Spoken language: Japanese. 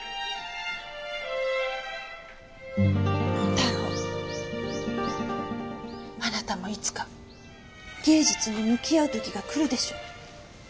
太郎あなたもいつか芸術に向き合う時が来るでしょう。